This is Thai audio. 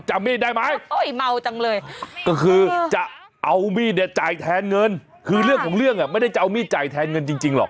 จำมีดได้ไหมก็คือจะเอามีดจ่ายแทนเงินคือเรื่องของเรื่องไม่ได้จะเอามีดจ่ายแทนเงินจริงหรอก